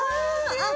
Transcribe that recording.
あっ！